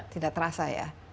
tidak terasa ya